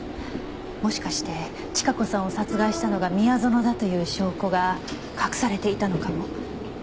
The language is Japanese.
もしかして千加子さんを殺害したのが宮園だという証拠が隠されていたのかも。